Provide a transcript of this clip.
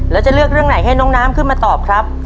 แล้วจะเลือกเรื่องไหนให้น้องน้ำขึ้นมาตอบครับ